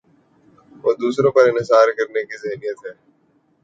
وہ دوسروں پر انحصار کرنے کی ذہنیت ہے۔